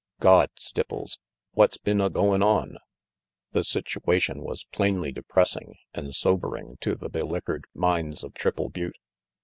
Gawd, Stipples, what's been a goin' on?" The situation was plainly depressing and sobering to the beliquored minds of Triple Butte.